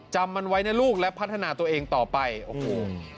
จำมันไว้นะลูกและพัฒนาตัวเองต่อไปโอ้โห